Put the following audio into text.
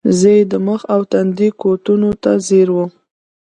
زۀ ئې د مخ او تندي کوتونو ته زیر ووم ـ